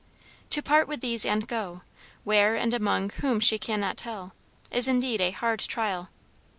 To part with these and go, where and among whom she cannot tell, is indeed a hard trial.